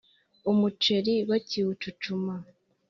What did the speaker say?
umuceri bakiwucucuma